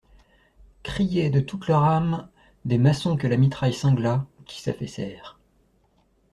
Criaient, de toute leur âme, des maçons que la mitraille cingla, qui s'affaissèrent.